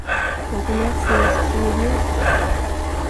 De kommer att se oss som idioter!